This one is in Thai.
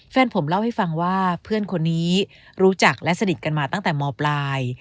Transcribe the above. แฟนผมเล่าให้ฟังว่าเพื่อนคนนี้รู้จักและสนิทกันมาตั้งแต่มปลาย